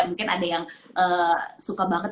mungkin ada yang suka banget